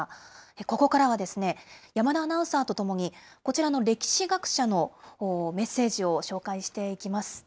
ここからは、山田アナウンサーとともに、こちらの歴史学者のメッセージを紹介していきます。